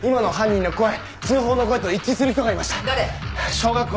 小学校。